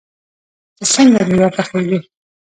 چې څنګه میوه پخیږي.